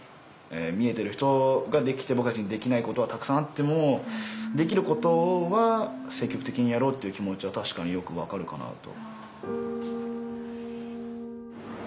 見えてる人ができて僕たちにできないことはたくさんあってもできることは積極的にやろうっていう気持ちは確かによく分かるかなと。